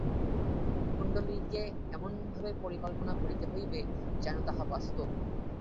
কুণ্ডলিনীকে এমনভাবে কল্পনা করিতে হইবে যেন তাহা বাস্তব।